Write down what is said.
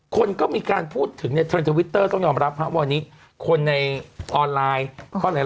คนก็มีการพูดถึงในเทรนด์ทวิตเตอร์ต้องยอมรับฮะวันนี้คนในออนไลน์